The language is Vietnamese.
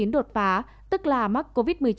đột phá tức là mắc covid một mươi chín